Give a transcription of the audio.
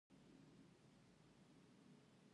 وخت هلته په چټکۍ تیریږي.